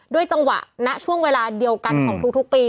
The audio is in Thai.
จังหวะณช่วงเวลาเดียวกันของทุกปี